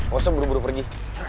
maksudnya buru buru pergi